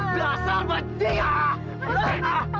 jelasan benci ah